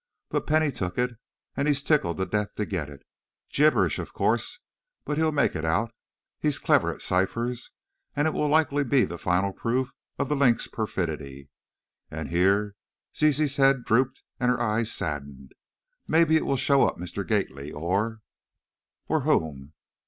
But Penny took it, and he's tickled to death to get it. Gibberish, of course, but he'll make it out. He's clever at ciphers, and it will likely be the final proof of 'The Link's' perfidy, and, " here Zizi's head drooped, and her eyes saddened, "maybe it will show up Mr. Gately or " "Or whom?"